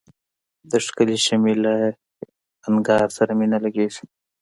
د ښکلي شمعي له انګار سره مي نه لګیږي